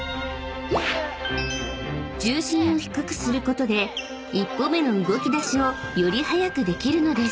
［重心を低くすることで１歩目の動き出しをより早くできるのです］